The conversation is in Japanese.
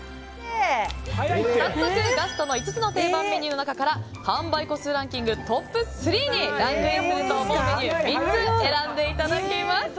早速、ガストの５つの定番メニューの中から販売個数ランキングトップ３にランクインすると思うメニュー３つ選んでいただきます。